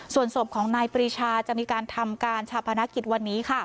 ส่วนศพของนายปรีชาจะมีการทำการชาปนกิจวันนี้